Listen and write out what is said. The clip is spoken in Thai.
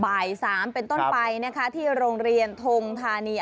บ่าย๓เป็นต้นไปนะคะที่โรงเรียนทงธานี